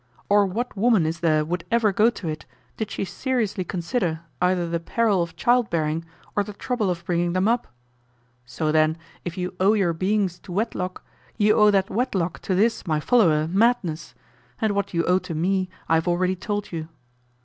Or what woman is there would ever go to it did she seriously consider either the peril of child bearing or the trouble of bringing them up? So then, if you owe your beings to wedlock, you owe that wedlock to this my follower, Madness; and what you owe to me I have already told you.